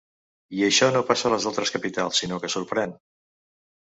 I això no passa a les altres capitals, sinó que sorprèn.